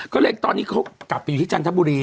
ก็เลยตอนนี้เขากลับไปอยู่ที่จันทบุรี